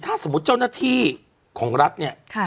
ถ้าสมมุติเจ้าหน้าที่ของรัฐเนี่ย